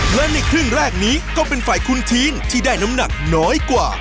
และในครึ่งแรกนี้ก็เป็นฝ่ายคุ้นทีนที่ได้น้ำหนักน้อยกว่า